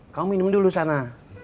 kamu minum dulu sana